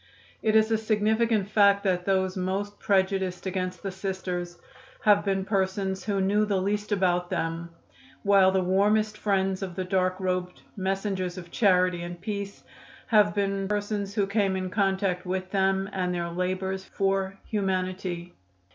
It is a significant fact that those most prejudiced against the Sisters have been persons who knew the least about them, while the warmest friends of the dark robed messengers of charity and peace have been persons who came in contact with them and their labors for humanity.